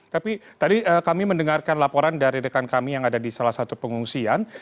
tapi tadi kami mendengarkan laporan dari rekan kami yang ada di salah satu pengungsian